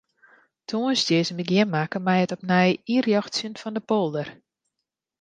Tongersdei is in begjin makke mei it opnij ynrjochtsjen fan de polder.